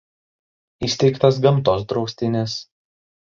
Įsteigtas gamtos draustinis.